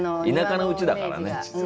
田舎のうちだからね。